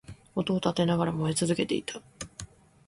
音を立てながら燃え続けていた